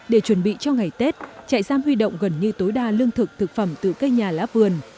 để chuẩn bị cho ngày tết trại giam huy động gần như tối đa lương thực thực phẩm từ cây nhà lá vườn